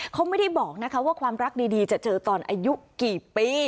เขาไม่ได้บอกนะคะว่าความรักดีจะเจอตอนอายุกี่ปี